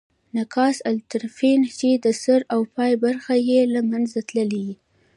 ناقص الطرفین، چي د سر او پای برخي ئې له منځه تللي يي.